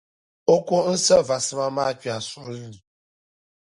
O ko n-sa va sima maa kpɛhi suɣili ni.